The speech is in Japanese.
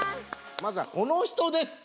まずはこの人です。